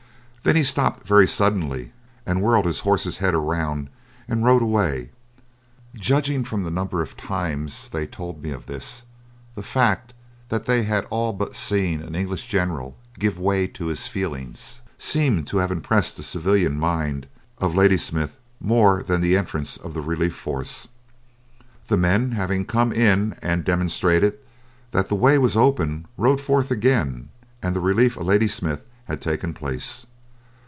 Then he stopped very suddenly and whirled his horse's head around and rode away. Judging from the number of times they told me of this, the fact that they had all but seen an English general give way to his feelings seemed to have impressed the civilian mind of Ladysmith more than the entrance of the relief force. The men having come in and demonstrated that the way was open, rode forth again, and the relief of Ladysmith had taken place.